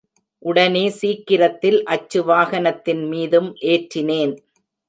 உடனே சீக்கிரத்தில் அச்சு வாகனத்தின் மீதும் ஏற்றினேன்.